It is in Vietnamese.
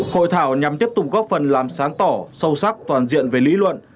hội thảo nhằm tiếp tục góp phần làm sáng tỏ sâu sắc toàn diện về lý luận